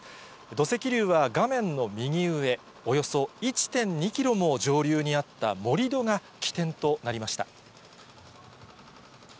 土石流は画面の右上、およそ１．２キロも上流にあった盛り土が起点となりました。